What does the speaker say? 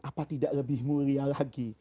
apa tidak lebih mulia lagi